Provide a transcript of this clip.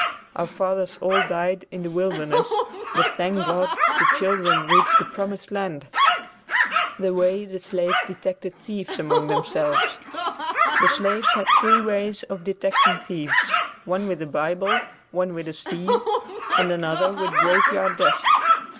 Our fathers all died in "the wilderness," but thank God, the children reached "the promised land." THE WAY THE SLAVES DETECTED THIEVES AMONG THEMSELVES. The slaves had three ways of detecting thieves, one with a Bible, one with a sieve, and another with graveyard dust.